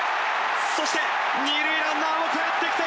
そして二塁ランナーもかえってきた。